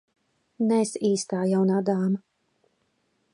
Neesi īstā jaunā dāma.